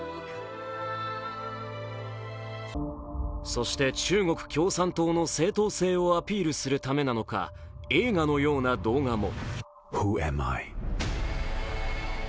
そして中国共産党の正統性をアピールするためか映画のような動画も。